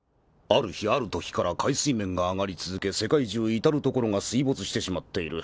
［ある日あるときから海水面が上がり続け世界中至る所が水没してしまっている］